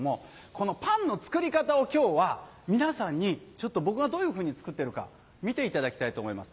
このパンの作り方を今日は皆さんに僕がどういうふうに作ってるか見ていただきたいと思います。